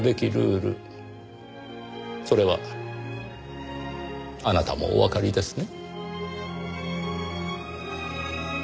それはあなたもおわかりですね？